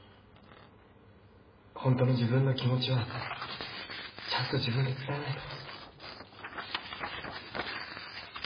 ホントの自分の気持ちはちゃんと自分で伝えないと。